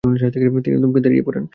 তিনি থমকে দাঁড়িয়ে পড়েন।